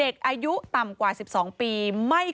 พบหน้าลูกแบบเป็นร่างไร้วิญญาณ